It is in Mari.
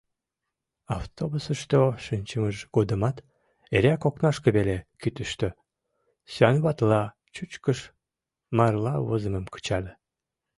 Автобусышто шинчымыж годымат эреак окнашке веле кӱтыштӧ, сӱанватыла чӱчкыш — марла возымым кычале.